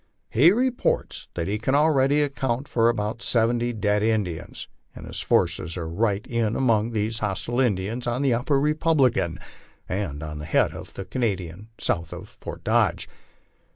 He reports that he can already account for about seventy dead Indians, and his forces are right in among these hostile Indians on the Upper Republican, and on the head of the Canadian south of Fort Dodge."